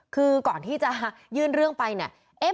คือก่อนที่จะยื่นเรื่องไปเนี่ย